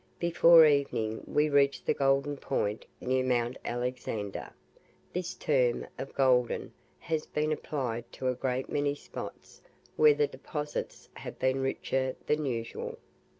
Before evening we reached the Golden Point near Mount Alexander. This term of "Golden" has been applied to a great many spots where the deposits have been richer than, usual.